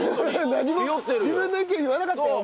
何も自分の意見言わなかったよ。